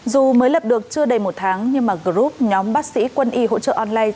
dù mới lập được chưa đầy một tháng nhưng mà group nhóm bác sĩ quân y hỗ trợ online